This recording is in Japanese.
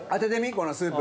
このスープ。